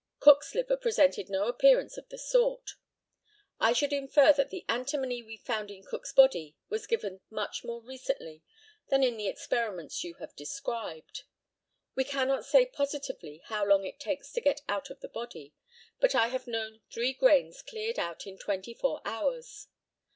Cook's liver presented no appearance of the sort. I should infer that the antimony we found in Cook's body was given much more recently than in the experiments you have described. We cannot say positively how long it takes to get out of the body, but I have known three grains cleared out in twenty four hours.